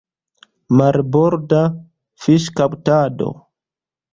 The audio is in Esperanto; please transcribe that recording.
Marborda fiŝkaptado.